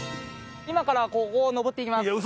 今からここを上っていきます。